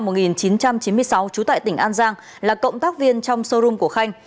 trong năm một nghìn chín trăm chín mươi sáu chú tại tỉnh an giang là cộng tác viên trong showroom của khanh